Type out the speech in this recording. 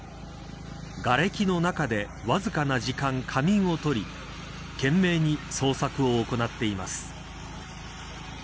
がれきの中でわずかな時間、仮眠をとり懸命に捜索を行っています。